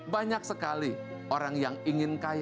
banyak sekali orang yang ingin kaya